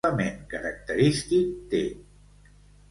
Quin element característic té?